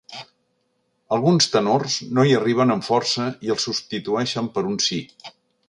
Alguns tenors no hi arriben amb força i el substitueixen per un si.